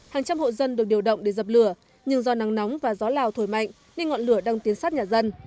hàng trăm hộ dân được điều động để dập lửa nhưng do nắng nóng và gió lào thổi mạnh nên ngọn lửa đang tiến sát nhà dân